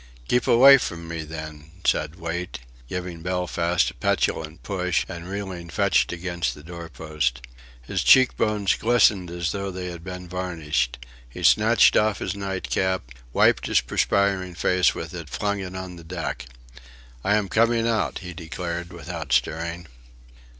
"Keep away from me then," said Wait, giving Belfast a petulant push, and reeling fetched against the doorpost. His cheekbones glistened as though they had been varnished. He snatched off his night cap, wiped his perspiring face with it, flung it on the deck. "I am coming out," he declared without stirring.